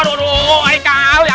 hiatch loh ada gak ansie ya